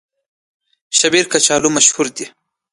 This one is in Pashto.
شیبر کچالو مشهور دي؟